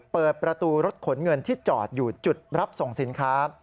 เปิดประตูรถขนเงินที่จอดอยู่จุดรับส่งสินค้า